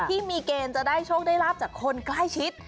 ที่มีเกณฑ์จะได้โชคได้ลาบจากคนใกล้ชิด